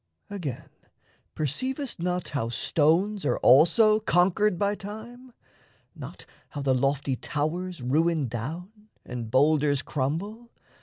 Again, perceivest not How stones are also conquered by Time? Not how the lofty towers ruin down, And boulders crumble?